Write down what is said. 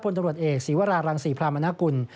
ตำรวจเอกศีวรารังศรีพรามนากุล